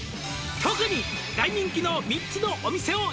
「特に大人気の３つのお店を」